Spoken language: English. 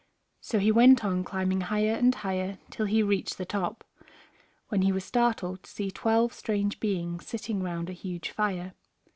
So he went on climbing higher and higher till he reached the top, when he was startled to see twelve strange beings sitting round a huge fire.